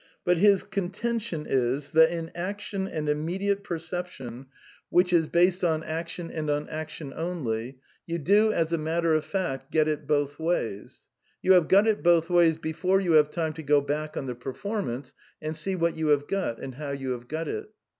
But his conten tion is that in action and immediate perception which is 48 A DEFENCE OF IDEALISM based on action and on action only, you do as a matter of fact get it both ways. You have got it both ways before you have time to go back on the performance and see what you have got and how you have got it.